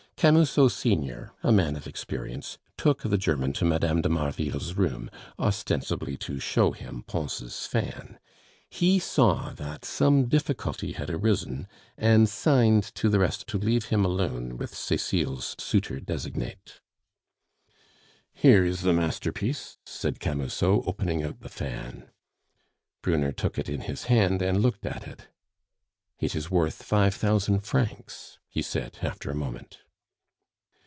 Camusot senior, a man of experience, took the German to Mme. de Marville's room, ostensibly to show him Pons' fan. He saw that some difficulty had arisen, and signed to the rest to leave him alone with Cecile's suitor designate. "Here is the masterpiece," said Camusot, opening out the fan. Brunner took it in his hand and looked at it. "It is worth five thousand francs," he said after a moment.